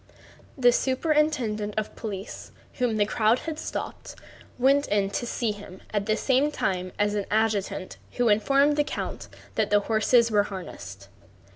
The superintendent of police, whom the crowd had stopped, went in to see him at the same time as an adjutant who informed the count that the horses were harnessed.